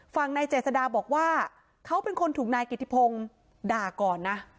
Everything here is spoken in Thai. ฝั่งนายเจษดาบอกว่าเขาเป็นคนถูกนายกิติพงศ์ด่าก่อนนะ